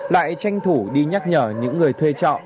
lại tranh thủ đi nhắc nhở những người thuê trọ